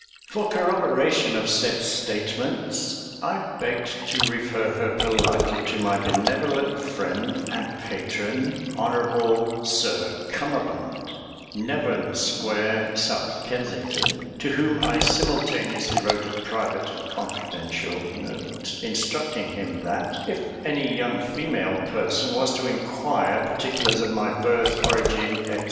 For corroboration of said statements I begged to refer her politely to my benevolent friend and patron, Hon'ble Sir CUMMERBUND, Nevern Square, South Kensington; to whom I simultaneously wrote a private and confidential note, instructing him that if any young female person was to inquire particulars of my birth, origin, &c.